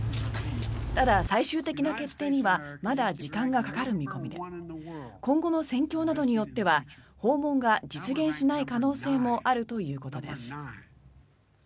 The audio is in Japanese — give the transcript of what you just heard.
ただ、最終的な決定にはまだ時間がかかる見込みで今後の戦況などによっては訪問が実現しない可能性もあるということです。